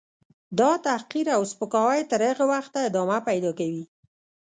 . دا تحقیر او سپکاوی تر هغه وخته ادامه پیدا کوي.